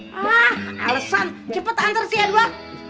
wah alasan cepet antar sih ya dua